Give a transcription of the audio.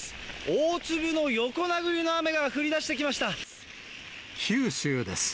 大粒の横殴りの雨が降りだしてき九州です。